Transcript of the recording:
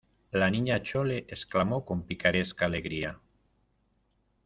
la Niña Chole exclamó con picaresca alegría: